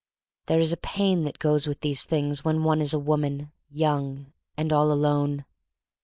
There is a pain that goes with these things when one is a woman, young, and all alone.